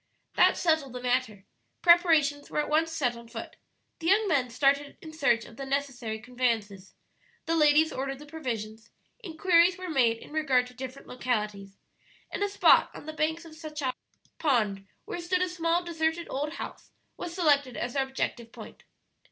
That settled the matter. Preparations were at once set on foot: the young men started in search of the necessary conveyances, the ladies ordered the provisions, inquiries were made in regard to different localities, and a spot on the banks of Sachacha Pond, where stood a small deserted old house, was selected as their objective point.